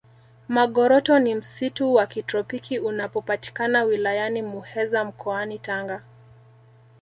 magoroto ni msitu wa kitropiki unapopatikana wilayani muheza mkoani tanga